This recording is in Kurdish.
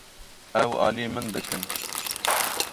Ew alî min dikin.